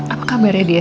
apa kabarnya dia